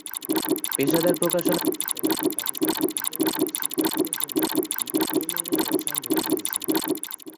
পেশাদার প্রকাশনা ব্যতীত তিনি পাকিস্তানের ইন্টারমিডিয়েট শিক্ষার্থীদের জন্য একটি এ-লেভেল রসায়ন বইও লিখেছেন।